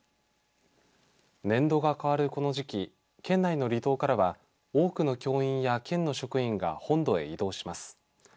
年度が変わるこの時期県内の離島からは多くの教員や県の職員が本土へ移動します。